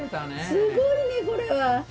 すごいねこれは！